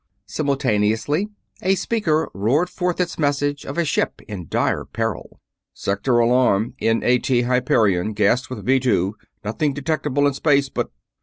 Simultaneously a speaker roared forth its message of a ship in dire peril. "Sector alarm! N.A.T. Hyperion gassed with Vee Two. Nothing detectable in space, but...."